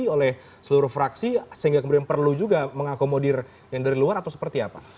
ini oleh seluruh fraksi sehingga kemudian perlu juga mengakomodir yang dari luar atau seperti apa